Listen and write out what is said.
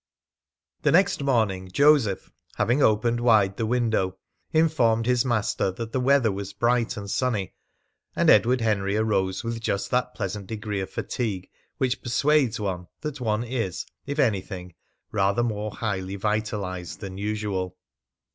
The next morning Joseph, having opened wide the window, informed his master that the weather was bright and sunny, and Edward Henry arose with just that pleasant degree of fatigue which persuades one that one is, if anything, rather more highly vitalised than usual.